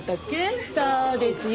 そうですよ。